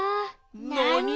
なに？